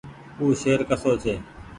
او شهر ڪسو ڇي۔